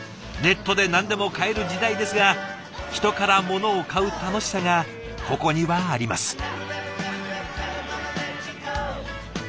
ネットで何でも買える時代ですが人から物を買う楽しさがここにはあります。